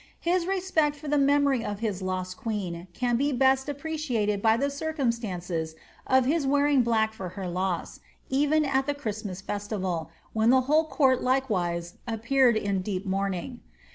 His respect ibr the memory of his lost queen can be best appreciated by the circum stance of his wearing black for her loss, even at the Christmas festival, when the whole court likewise appeared in deep mourning.'